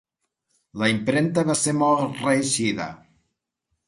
La impremta va ser molt reeixida.